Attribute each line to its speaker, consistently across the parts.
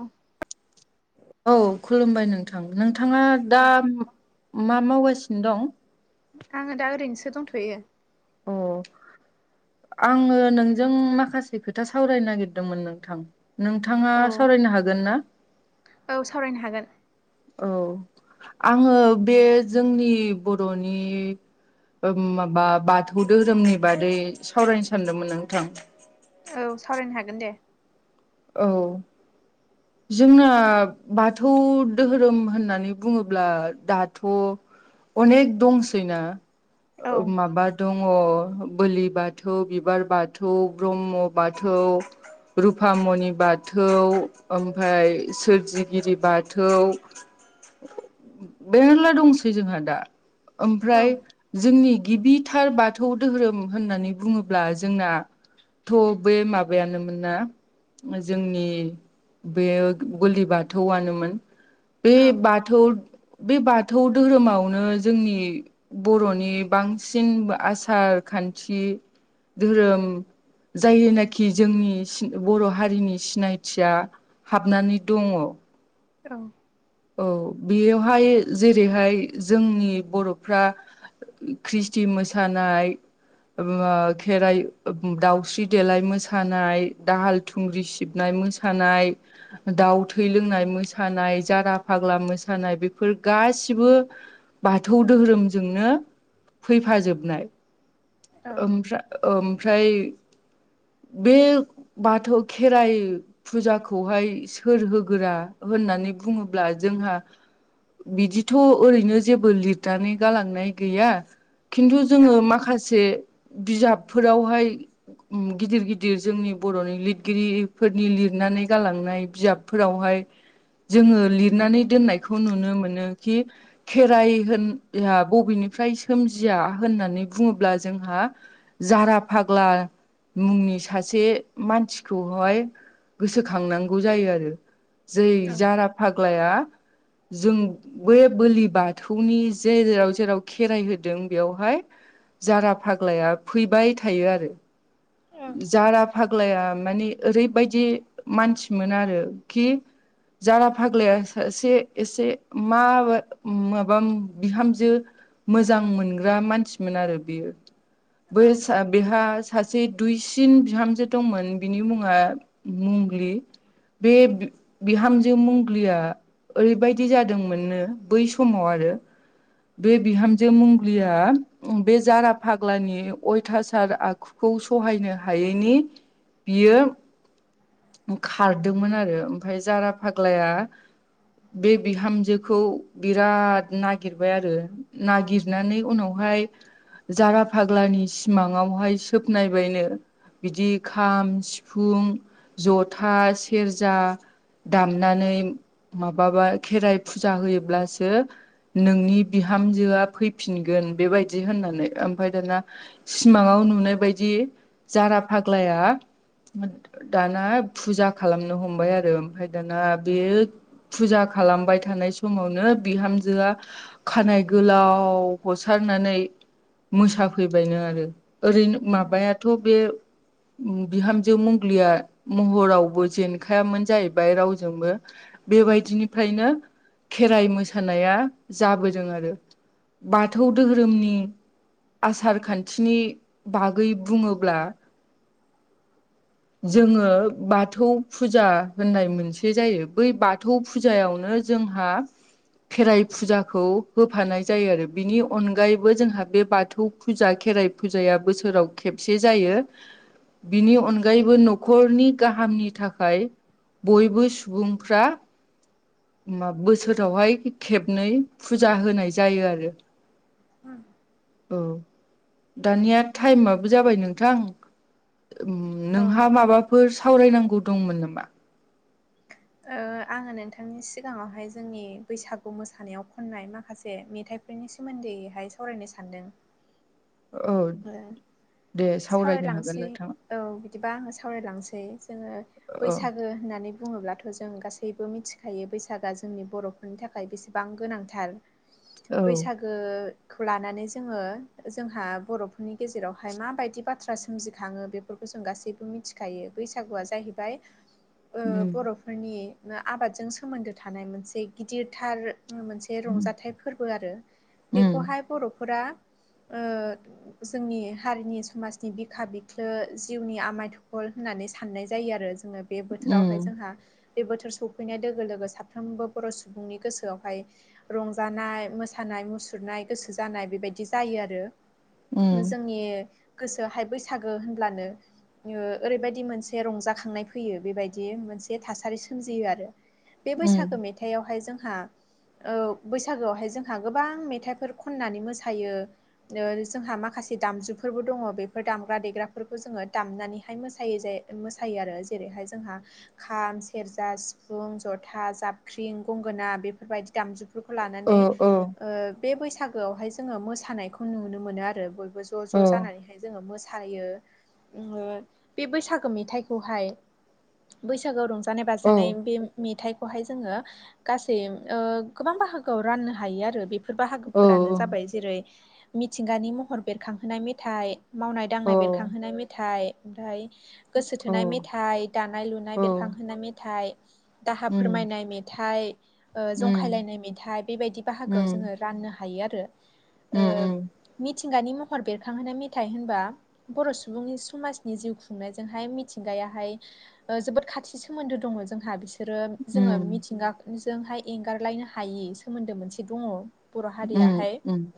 Speaker 1: ओं। [inaudible]
Speaker 2: औ खुलुमबाय नोंथां। नोंथाङा
Speaker 1: औ
Speaker 2: दा मा मावगासिनो दं?
Speaker 1: आङो दा ओरैनोसो दंथ'यो।
Speaker 2: अ'। आङो नोंजों माखासे खोथा सावरायनो नागिरदोंमोन नोंथां। नोंथाङा
Speaker 1: औ
Speaker 2: सावरायनो हागोन ना?
Speaker 1: औ सावरायनो हागोन।
Speaker 2: औ आङो बे जोंनि बर'नि ओ माबा बाथौ धोरोमनि बादै सावरायनो सानदोंमोन नोंथां।
Speaker 1: औ सावरायनो हागोन दे।
Speaker 2: औ। [inaudible] जोंना बाथौ दोहोरोम होननानै बुङोब्ला दाथ' अनेक दंसैना
Speaker 1: औ
Speaker 2: ओ माबा दङ बोलि बाथौ, बिबार बाथौ, ब्रह्म बाथौ। रुफामनि नि बाथौ ओमफ्राय सोरजिगिरि बाथौ। बेनोला दंसै जोंहा दा
Speaker 1: औ
Speaker 2: ओमफ्राय जोंनि गिबिथार बाथौ धोरोम होननानै बुङोब्ला जोंना थ' बे माबायानोमोन ना? जोंनि बे बोलि बाथौआनोमोन। बे
Speaker 1: औ
Speaker 2: बाथ थौ बे बाथौ धोरोमावनो जोंनि बर'नि बांसिन आसार खान्थि धोरोम जायोनाखि जोंनि सिन बर' हारिनि सिनायथिया हाबनानै दङ।
Speaker 1: औ।
Speaker 2: औ बेयावहाय जेरैहाय जोंनि बर'फ्रा ख्रिस्टि मोसानाय ओ बा खेराइ ओ दाउस्रि देलाय मोसानाय दाहाल थुंग्रि सिबनाय मोसानाय, दाउ थै लोंनाय मोसानाय, जारा फ फाग्ला मोसानाय बेफोर गासिबो बाथौ धोहोरोमजोंनो फैफाजोबनाय। ओमफ्रा-ओमफ्राय बे बाथौ खेराइ फुजाखौहाय सोर होगोरा होननानै बुङोब्ला जोंहा बिदिथ' ओरैनो जेबो लिरनानै गालांनाय गैया। खिन्थु
Speaker 1: औ
Speaker 2: जोङो माखासे बिजाबफोरावहाय उम गिदिर गिदिर जोंनि बर'नि लिरगिरिफोरनि लिरनानै गालांनाय बिजाबफोरावहाय जोङो लिरनानै दोननायखौ नुनो मोनो कि खेराइ होनब्ला बबेनिफ्राय सोमजिया होननानै बुङोब्ला जोंहा जारा फाग्ला मुंनि सासे मानसिखौहाय गोसोखांनांगौ जायो आरो। जै जारा फाग्लाया जों बे बोलि बाथौनि जे जेराव जेराव खेराइ होदों बेवहाय जारा फाग्लाया फैबाय थायो आरो। जारा फाग्लाया माने ओरैबायदि मानसिमोन आरो खि जारा फाग्लाया सासे एसे माबो माबा बिहामजो मोजां मोनग्रा मानसिमोन आरो बेयो।
Speaker 1: औ
Speaker 2: बैसा बेहा सासे दुइसिन बिहामजो दंमोन बिनि मुङा मंग्लि। बे बि-बिहामजो मंग्लिया ओरैबायदि जादोंमोननो बै समाव आरो बे बिहामजो मंग्लिया बे जारा फाग्लानि अयथासार आखुखौ स सहायनो हायैनि बियो खारदोंमोन आरो ओमफ्राय जारा फाग्लाया बे बिहामजोखौ बिराद नागिरबाय आरो नागिरनानै उनावहाय जारा फाग्लानि सिमाङावहाय सोब सिनायबायनो बिदि खाम सिफुं जथा सेरजा दामनानै माबाबा खेराइ फुजा होयोब्लासो नोंनि बिहामजोआ फैफिनगोन बेबायदि होननानै ओमफाय दाना सिमाङाव नुनाय बायदि जारा फाग्लाया दाना फुजा खालामनो हमबाय आरो ओमफ्राय दाना बे फुजा खालामबाय थानाय समावनो बिहामजोआ खानाय गोलाव हसारनानै मोसाफैबाय नो आरो ओरै माबायाथ' बे बिहामजो मुं फलिया महरावबो जेनखायामोन जाहैबाय रावजोंबो बेबायदिनिफ्रायनो खेराइ मोसानाया जाबोदों आरो बाथौ धोरोमनि आसार खान्थिनि बागै बुङोब्ला जोङो बाथौ फुजा होननाय मोनसे जायो बै बा थौ फुजायावनो जोंहा खेराइ फुजाखौ होफानाय जायो आरो बिनि अनगायैबो जोंहा बे बाथौ फुजा खेराइ फुजाया बोसोराव खेबसे जायो बिनि अनगायैबो न'खरनि गाहामनि थाखाय बयबो सुबुंफ्रा खमबा बोसोरावहाय खेबनै फुजा होनाय जायो आरो
Speaker 1: उम
Speaker 2: औ दानिया टाइमाबो जाबाय नोंथां नोंहा माबाफोर सावरायनांगौ दंमोन नामा?
Speaker 1: आङो नोंथांनि सिगाङावहाय जोंनि बैसागु मोसानायाव खननाय माखासे मेथाइ फोरनि सोमोन्दैहाय सावरायनो सानदों
Speaker 2: औ
Speaker 1: ओ
Speaker 2: दे सावरायनो हागोन
Speaker 1: सावरायलांसै
Speaker 2: नोंथाङा
Speaker 1: औ बिदिबा आङो सावरायलांनोसै जोङो
Speaker 2: औ
Speaker 1: बैसागो होननानै बुङोब्लाथ' जों गासैबो मिथिखायो बैसागआ जोंनि बर'फोरनि थाखाय बेसेबां गोनांथार
Speaker 2: औ
Speaker 1: बैसागोखौ लानानै जोङो जोंहा बर' बेनि गेजेरावहाय माबायदि बाथ्रा सोमजिखाङो बेफोरखौ जों गासैबो मिथिखायो बैसागुआ जाहैबाय
Speaker 2: [inaudible]
Speaker 1: ओ बर'फोरनि आबादजों सोमोन्दो थानाय मोनसे गिदिरथार मोन से रंजाथाइ फोरबो आरो
Speaker 2: उम
Speaker 1: बेखौहाय बर'फोरा जोंनि हारिनि समाजनि बिखा बिख्लो जिउनि आमाइ‌ थखर होननानै साननाय जायो आरो जोङो बे बोथोरावहाय
Speaker 2: उम
Speaker 1: जोंहा बे बोथोर सफैनाय लोगो लोगो साफ्रोमबो बर' सुबुंनि गोसोआवहाय रंजानाय मोसानाय मुसुरनाय गोसो जानाय बेबायदि जायो आरो
Speaker 2: उम
Speaker 1: जोंनि गोसोआहाय बैसागो होनब्लानो ओरैबायदि मोनसे रंजाखांनाय फैयो बेबायदि मोनसे थासारि सोमजियो आरो बे
Speaker 2: उम
Speaker 1: बैसागो मेथाइयावहाय जोंहा ओ बैसागोआवहाय जोंहा गोबां मेथाइफोर खननानै मोसायो जोंहा मा खासे दामजुफोरबो दङ बेफोर दामग्रा देग्राफोरखौ जोङो दामनानैहाय मोसायो जे मोसायो आरो जेरैहाय जोंहा खाम सेरजा सिफुं जथा जाबख्रिं गंगोना बेफोरबायदि दामजुु बेफोरखौ
Speaker 2: औ
Speaker 1: लानानै
Speaker 2: औ
Speaker 1: ओ बे बैसागोआवहाय जोङो मोसानायखौ नुनो मोनो आरो बय ज'
Speaker 2: औ
Speaker 1: ज' जानानैहाय जोङो मोसायो बे बैसागो मेथाइखौहाय बैसागोआव रंजानाय
Speaker 2: औ
Speaker 1: बाजानाय बे मेथाइखौहाय जोङो गासै ओ गोबां बाहागोआव राननो हायो आरो बे फोर
Speaker 2: औ
Speaker 1: बाहागोफोरानो जाबाय जेरै मिथिंगानि महर बेरखांहोनाय मेथाइ मावनाय
Speaker 2: औ
Speaker 1: दांनाय बेरखांहोनाय मेथाइ, ओमफ्राय गोसो
Speaker 2: औ
Speaker 1: थोनाय मेथाइ, दानाय लुनाय
Speaker 2: औ
Speaker 1: बेरखांहोनाय मेथाइ, दाहा
Speaker 2: उम
Speaker 1: फोरमायनाय मेथाइ,
Speaker 2: उम
Speaker 1: जंखायलायनाय मेथाइ बेबायदि बाहागोआव
Speaker 2: उम
Speaker 1: जोङो राननो हायो आरो।
Speaker 2: उम
Speaker 1: ओ मिथिंगानि महर बेरखांहोना मेथाइ होनबा बर' सुबुंनि समाजनि जिउ खुंनायजोंहाय मिथिंगायाहाय ओ जोबोद खाथि सोमोन्दो दङ जोंहा बिसो रो जोङो
Speaker 2: उम
Speaker 1: मिथिंगाजोंहाय एंगारलायनो हायि सोमोन्दो मोनसे दङ। बर'
Speaker 2: उम
Speaker 1: हारियाहाय
Speaker 2: उम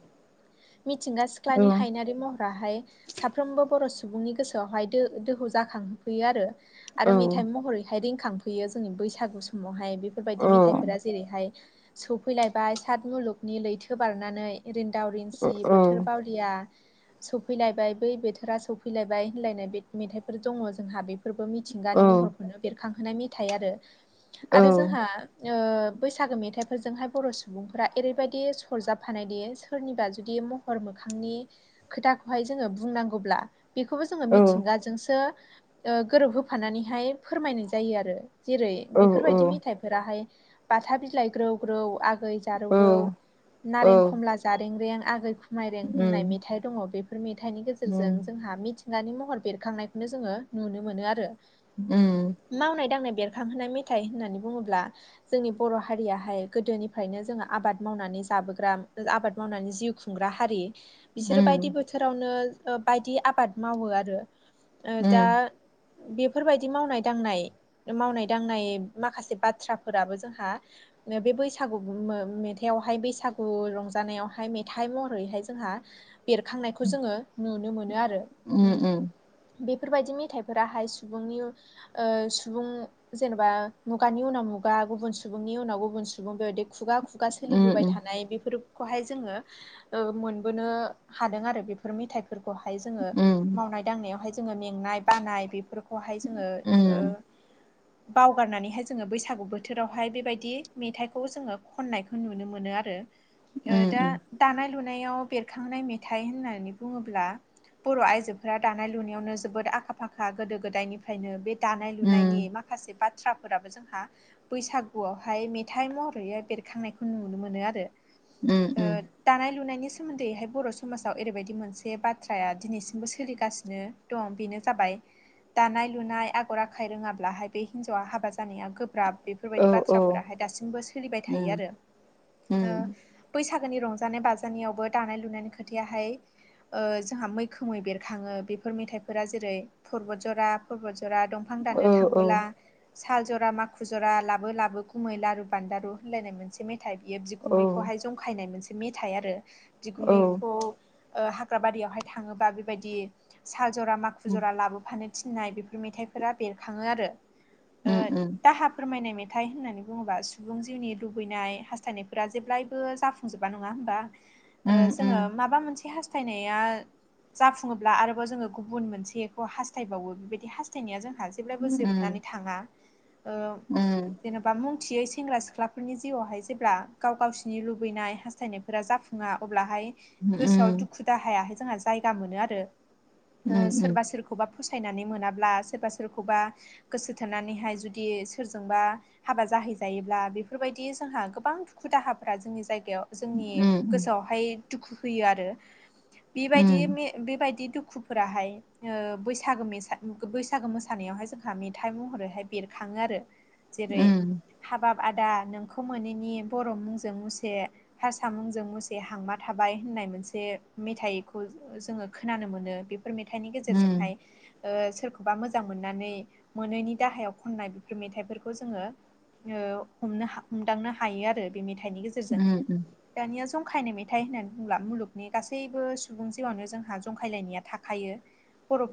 Speaker 1: मिथिंगा सिख्लानि
Speaker 2: औ
Speaker 1: हायनारि महराहाय साफ्रोमबो बर' सुबुंनि गोसोआवहाय दो-दोहौ जाखाङो। होयो आरो
Speaker 2: औ
Speaker 1: मेथाइ महरैहाय रिंखांफैयो जोंनि बैसागु समावहाय बेफोरबायदि
Speaker 2: औ
Speaker 1: मेथाइफोरा जेरैहाय सफैलायबाय सत मुलुगनि लैथो बारनानै रिन्दाव रिंसि
Speaker 2: औ
Speaker 1: बोथोर
Speaker 2: औ
Speaker 1: बावलिया सफैलायबाय बै बोथोरा सफैलायबाय होनलायनाय मेथाइफोर दङ। जोंहा बेफोरबो मिथिं
Speaker 2: औ
Speaker 1: गानि महरखौनो बेरखांहोनाय मेथाइ आरो आरो
Speaker 2: औ
Speaker 1: जोंहा ओ बैसागो मेथाइफोरजोंहाय बर' सुबुंफोरा ओरैबायदि सरजाबफानाय दि सोरनिबा जुदि मह र मोखांनि खोथाखौहाय जोङो बुंनांगौब्ला बेखौबो जोङो मिथिंगाजोंसो ओ गोरोब होफानानैहाय फोरमायनाय जायो आरो। जेरै
Speaker 2: औ
Speaker 1: बेफोरबायदि मेथायाइफोराहाय बाथा बिलाइ ग्रौ ग्रौ आगै, जारौ
Speaker 2: औ
Speaker 1: रौ नारें
Speaker 2: औ
Speaker 1: कमला जारें रें आगै खुमाय रें
Speaker 2: उम
Speaker 1: होननाय मेथाइ दङ। बे फोर मेथाइनि गेजेरजों
Speaker 2: उम
Speaker 1: जोंहा मिथिंगानि महर बेरखांनायखौनो जोङो नुनो मोनो आरो।
Speaker 2: उम
Speaker 1: मावनाय दांनाय बेरखांहोनाय मेथाइ होननानै बुङोब्ला जोंनि बर' हारियाहाय गोदोनिफ्रायनो जोङो आबाद मावनानै जाबोग्रा, आबाद मावनानै जिउ खुंग्रा हारि बिसोरो बायदि
Speaker 2: उम
Speaker 1: बोथोरावनो बायदि आबाद मावो आरो। ओ दा
Speaker 2: उम
Speaker 1: बेफोरबायदि मावनाय दांनाय, मावनाय दांनाय माखासे बाथ्राफोराबो जोंहा बे बैसागु मो-मेथाइयावहाय बैसागु रंजानायावहाय मेथाइ महरैहाय जोंहा बेरखांनायखौ जोङो नुनो मोनो आरो।
Speaker 2: उम उम
Speaker 1: बेफोरबायदि मेथाइफोराहाय सुबुंनि ओ सुबुं जेनेबा मुगानि उनाव मुगा गुबुन सुबुंनि उनाव गुबुन सुबुं बेबायदि खुगा खु गा
Speaker 2: उम
Speaker 1: सोलिबोबाय थानाय बेफोरखौहाय जोङो ओ मोनबोनो हादों आरो बेफोर मेथाइफोरखौहाय जोङो
Speaker 2: उम
Speaker 1: मावनाय दांनायावहाय जोङो मेंनाय बानाय बेफोरखौहाय जोङो ओ
Speaker 2: उम
Speaker 1: बावगारनानैहाय जोङो बैसागु बोथोरावहाय बेबायदि मेथाइखौ जोङो खननायखौ नुनो मोनो आरो। ओ
Speaker 2: उम
Speaker 1: दा
Speaker 2: उम
Speaker 1: दानाय लुनायाव बेरखांनाय मेथाइ होननानै बुङोब्ला बर' आइजोफोरा दानाय लुनायावनो जोबोद आखा फाखा गोदो गोदायनि फायनो बे दानाय लुनायनि
Speaker 2: उम
Speaker 1: माखासे बाथ्राफोराबो जोंहा बैसागुआवहाय मेथाइ महरै बेरखांनायखौ नुनो मोनो आरो।
Speaker 2: उम उम
Speaker 1: दानाय लुनायनि सोमोन्दैहाय बर' समाजाव ओरैबायदि मोनसे बाथ्राया दिनैसिमबो सोलिगासिनो दं बेनो जाबाय दानाय लुनाय आगर आखाय रोङाब्लाहाय बे हिन्जावा हाबा जानाया गोब्राब।
Speaker 2: औ
Speaker 1: बेफोरबायदि
Speaker 2: औ
Speaker 1: बाथ्राफोराहाय दासिमबो सोलिबाय थायो
Speaker 2: उम
Speaker 1: आरो
Speaker 2: उम
Speaker 1: ओ बैसागोनि रं जानाय बाजानायावबो दानाय लुनायनि खोथायाहाय ओ जोंहा मैखोमै बेरखाङो बेफोर मेथाइफोरा जेरै परबत जरा परबत जरा दंफां
Speaker 2: औ
Speaker 1: दाननो
Speaker 2: औ
Speaker 1: थांबोला साल जरा माखु जरा लाबो लाबो गुमै लारु बान्दारु होनलायनाय मोनसे मे थाइ बियो
Speaker 2: औ
Speaker 1: बिगुमैखौहाय जंखायनाय मोनसे मेथाइ आरो बिगुमैखौ ओ हाग्रा बारियावहाय थाङोबा बेबायदि साल -जरा माखु
Speaker 2: उम
Speaker 1: जरा लाबोफानो थिननाय बेफोर मेथाइफोरा बेरखाङो आरो ओ
Speaker 2: उम उम
Speaker 1: दाहाब फोरमायनाय मेथाइ होननानै बुङोबा सुबुं जिउनि लुबैनाय हास्थायनायफोरा जेब्लायबो जाफुंजोब माबा नङा होमबा ओ
Speaker 2: उम उम उम
Speaker 1: जोङो माबा मोनसे हास्थायनाया जाफुङोब्ला आरोबाव जोङो गुबुन मोनसेखौ हास्थायबावो बेबायदि हास्थायनाया जोंहा जेब्लायबो
Speaker 2: उम
Speaker 1: जोबनानै थाङा ओ जेनबा बा मुंथियै सेंग्रा सिख्लाफोरनि जिउआवहाय जेब्ला गाव गावसिनि लुबैनायास हास थायनायफोरा जाफुङा अब्लाहाय
Speaker 2: उम
Speaker 1: गोसोआव दुखु दाहायाहाय जोंहा जायगा मोनो आरो
Speaker 2: उम
Speaker 1: ओ सोरबा सोरखौबा फसायनानै मोनाब्ला सोरबा सोरखौबा गोसो थोननानैहाय जुदि सोरजोंबा हाबा जाहैजायोब्ला बेफोरबायदि जोंहा गोबां दुखु दाहाफोरा जोंनि जायगायाव जोंनि गोसोआवहाय दुखु होयो आरो बेबायदि बेबायदि दुखुफोराहाय ओ बैसागो बैसागो मोसानायावहाय जोंहा मेथाइ महरैहाय बेरखाङो आरो जेरै
Speaker 2: उम
Speaker 1: हाबाब आदा नोंखौ मोनैनि बर' मुंजों मुसे हारसा मुंजों मुसे हांमा थाबाय होननाय मोनसे मेथाइखौ जोङो खोनानो मोनो बेफोर मेथाइनि गेजेरजोंहाय ओ सोरखौबा मोजां मोननानै मोनैनि दाहायाव खननाय बेफोर मेथाइफोरखौ जोङो ओ हमनो हमदांनो हायो आरो बे मेथाइनि गेजेरजों दानिया जंखायनाय मेथाइ होननानै बुंब्ला मुलुगनि गासैबो सुबुं जिआवनो जोंहा जंखायलायनाया थाख थाखायो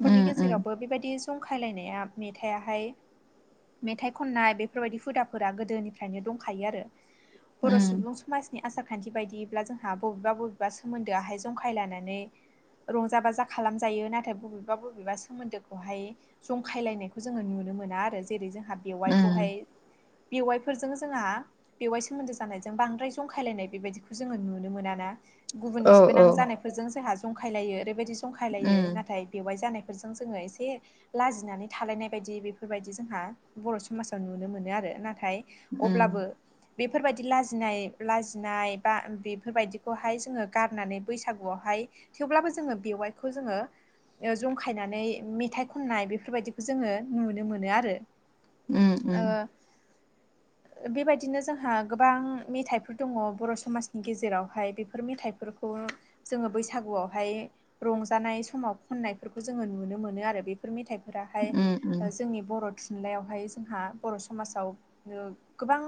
Speaker 2: उम उम
Speaker 1: गेजेरावबो बेबायदि जंखायलायनाया मेथाइआाहाय मेथाइ खननाय बेफोरबायदि हुदाफोरा गोदोनिफ्रायनो दंखायो आरो बर'
Speaker 2: उम
Speaker 1: सुबुं समाजनि आसार खान्थि बायदिब्ला जोंहा बबेबा बबेबा सोमोन्दोआहाय जंखाय लानानै रंजा -बाजा खालामजायो नाथाय बबेबा बबेबा सोमोन्दोखौहाय जंखायलायनायखौ जोङो नुनो मोना आरो जेरै जोंहा बेवाइखौहाय बेवाइफोरजों जोंहा बेवाइ सोमोन्दो जानायजों बांद्राय जं जंखायलायनाय बेबायदिखौ जोङो नुनो मोना ना गुबुन
Speaker 2: औ
Speaker 1: बिबोनां
Speaker 2: उम
Speaker 1: जानायफोरजों जोंहा जंखायलायो ओरैबायदि जंखायलायो
Speaker 2: उम
Speaker 1: नाथाय बेवाइ जानायफोरजों जोङो एसे लाजिनानै थालायनाय बायदि बेफोरबायदि जोंहा बर' समाजाव नुनो मोनो आरो नाथाय
Speaker 2: उम
Speaker 1: अब्लाबो बेफोरबायदि लाजिनाय लाजिनाय बा बेफोरबायदिखौहाय जोङो गारनानै बैसागुआवहाय थेवब्लाबो जोङो बेवाइखौ जोङो ओ जंखायनानै मेथाइ खननाय बेफोरबायदिखौ जोङो नुनो मोनो आरो
Speaker 2: उम
Speaker 1: ओ
Speaker 2: उम
Speaker 1: बेबायदिनो जोंहा गोबां मेथाइ फोर दङ बर' समाजनि गेजेरावहाय बेफोर मेथाइफोरखौ जोङो बैसागुआवहाय रंजानाय समाव खननायफोरखौ जोङो नुनो मोनो आरो बे फोर मेथाइफोराहाय जोंनि बर' थुनलाययावहाय जोंहा बर' समाजाव गोबां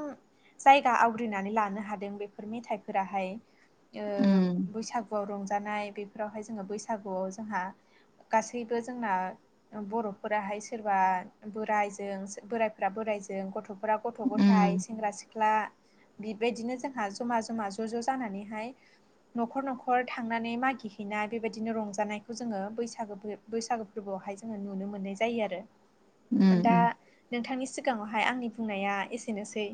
Speaker 1: जायगा आवग्रिनानै लानो हादों बेफोर मेथाइफोराहाय ओ बैसागुआव रंजानाय बेफोरावहाय जोङो बैसागुआव जोंहा गासैबो जोंना बर'फोराहाय सोरबा बोरायजों बोराय फोर्रा बोराइजों गथ'फोरा गथ' गथायाइ
Speaker 2: उम
Speaker 1: सेंग्रा सिख्ला बेबायदिनो जों जोंहा जमा जमा ज' ज' जानानैहाय न'खर न'खर थांनानै मागि हैैनाय बेबायदिनो रंजानायखौ जोङो बैसागो बैसागो फोरबोआवहाय जोङो नुनो मोननाय जायो आरो
Speaker 2: [inaudible]
Speaker 1: दा
Speaker 2: उम
Speaker 1: नोंथांनि सिगाङावहाय आंनि बुंनाया एसेनोसै।